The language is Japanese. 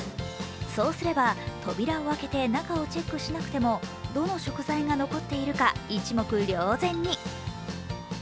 そうすれば扉を開けて中をチェックしなくてもどの食材が残っているか一目瞭然に。